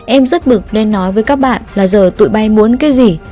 em rất bực nên nói với các bạn là giờ tụi bay muốn cái gì